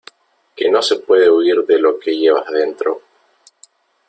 que no se puede huir de lo que llevas dentro ...